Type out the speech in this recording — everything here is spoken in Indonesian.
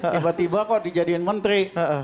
tiba tiba kok dijadiin menteri